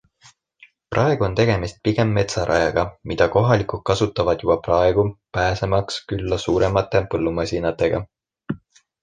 Praegu on tegemist pigem metsarajaga, mida kohalikud kasutavad juba praegu, pääsemaks külla suuremate põllumasinatega.